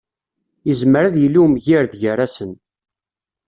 Yezmer ad yili umgired gar-asen.